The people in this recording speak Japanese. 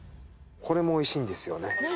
これもおいしいんですよね